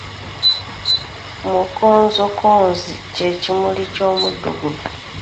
Mukonzokonzi kye kimuli ky’omuddo guno.